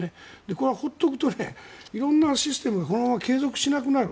これは放っておくと色々なシステムがこのまま継続しなくなる。